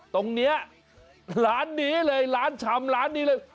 ตรงนี้ร้านนี้เลยร้านชำร้านนี้เลย